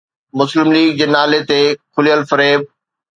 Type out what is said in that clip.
مسلم ليگ جي نالي تي کليل فريب.